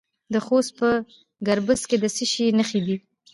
د خوست په ګربز کې د څه شي نښې دي؟